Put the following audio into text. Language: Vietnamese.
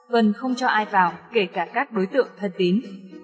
vân không cho ai vào kể cả các đối tượng thân tín